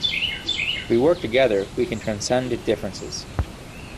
If we work together we can transcend differences.